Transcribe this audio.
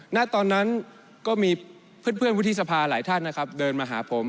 ณตอนนั้นก็มีเพื่อนวุฒิสภาหลายท่านนะครับเดินมาหาผม